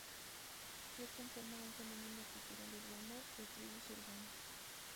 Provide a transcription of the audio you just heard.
Ya conforma un fenómeno cultural urbano, de tribus urbanas.